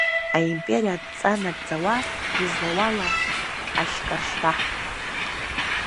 Аимпериа адҵа нагӡауа, излауала ашьакаршра.